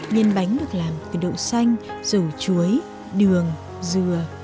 nhân bánh được làm từ đậu xanh dầu chuối đường dừa